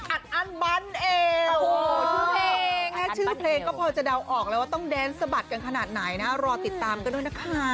อัดอั้นเอวเองแค่ชื่อเพลงก็พอจะเดาออกแล้วว่าต้องแดนสะบัดกันขนาดไหนนะรอติดตามกันด้วยนะคะ